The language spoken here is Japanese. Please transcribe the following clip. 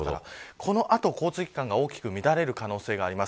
この後、交通機関が大きく乱れる可能性があります。